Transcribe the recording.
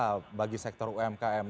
untuk usaha bagi sektor umkm